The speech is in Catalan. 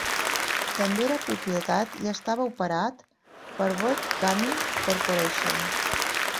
També era propietat i estava operat per Boyd Gaming Corporation.